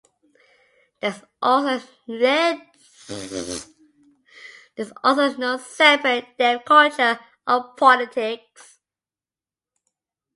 There is also no separate Deaf culture or politics.